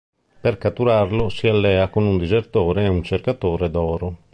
Per catturarlo si allea con un disertore e un cercatore d'oro.